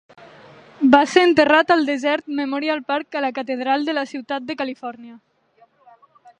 Va ser enterrat al desert Memorial Park a la catedral de la ciutat de Califòrnia.